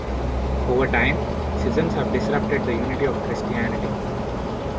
Over time, schisms have disrupted the unity of Christianity.